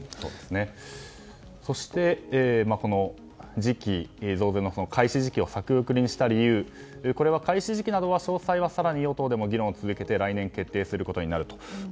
そして、増税の開始時期を先送りにした理由、これは開始時期などの詳細は更に与党でも議論を続けて来年、決定することになると。